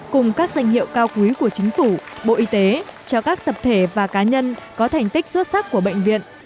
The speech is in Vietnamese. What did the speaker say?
cùng các danh hiệu cao quý của chính phủ bộ y tế cho các tập thể và cá nhân có thành tích xuất sắc của bệnh viện